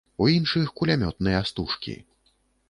У іншых кулямётныя стужкі.